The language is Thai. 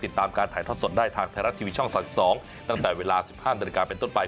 ติดตามการถ่ายทอดสดได้ทางไทยรัฐทีวีช่อง๓๒ตั้งแต่เวลา๑๕นาฬิกาเป็นต้นไป